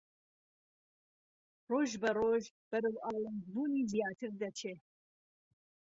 ڕۆژبەڕۆژ بەرەو ئاڵۆزبوونی زیاتر دەچێ